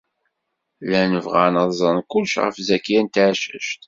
Llan bɣan ad ẓren kullec ɣef Zakiya n Tɛeccact.